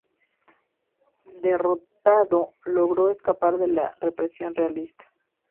Derrotado, logró escapar de la represión realista.